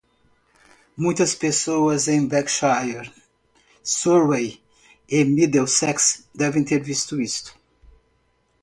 Muitas pessoas em Berkshire? Surrey? e Middlesex devem ter visto isso.